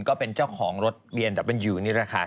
ก็เป็นเจ้าของรถเวียนดับเป็นอยู่นี่แหละค่ะ